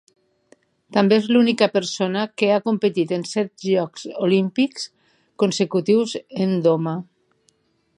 També és l'única persona que ha competit en set jocs olímpics consecutius en doma.